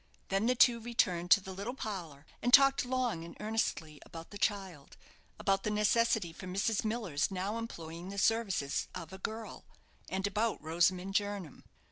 Then the two returned to the little parlour, and talked long and earnestly about the child, about the necessity for Mrs. Miller's now employing the services of "a girl," and about Rosamond Jernam.